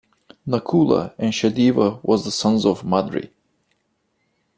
Nakula and Sahadeva was the sons of Madri.